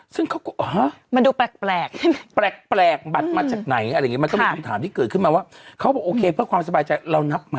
ซึ่งเขาก็ฮะ